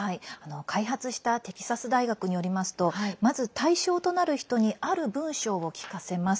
開発したテキサス大学によりますとまず対象となる人にある文章を聞かせます。